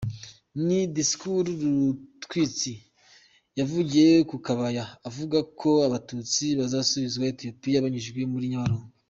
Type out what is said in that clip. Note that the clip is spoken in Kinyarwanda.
Ni disikuru rutwitsi yavugiye ku Kabaya avuga ko Abatutsi bazasubizwa Ethiopia banyujijwe muri Nyabarongo.